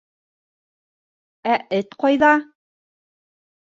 Ә эт ҡайҙа?